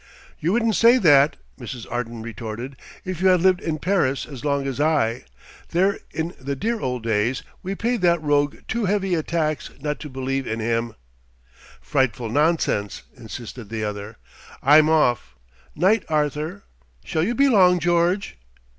"You wouldn't say that," Mrs. Arden retorted, "if you had lived in Paris as long as I. There, in the dear old days, we paid that rogue too heavy a tax not to believe in him." "Frightful nonsense," insisted the other. "I'm off. 'Night, Arthur. Shall you be long, George?"